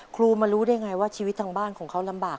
ครูมารู้ได้ไงว่าชีวิตทางบ้านของเขาลำบาก